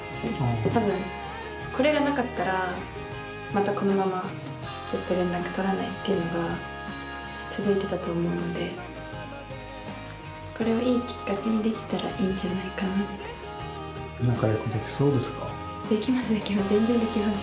多分これがなかったらまたこのままちょっと連絡取らないっていうのが続いてたと思うのでできたらいいんじゃないかなってできますできます